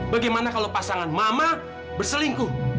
bagaimana kalau pasangan mama berselingkuh